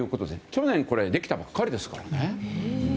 去年できたばかりですからね。